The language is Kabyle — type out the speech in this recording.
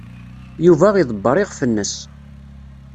Yuba iḍebber iɣef-nnes.